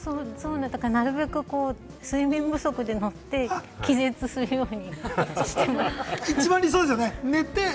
なるべく睡眠不足で乗って気絶するようにしてます。